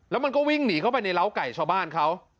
แล้วมันก็วิ่งหนีเข้าไปในร้าวไก่ชาวบ้านเขา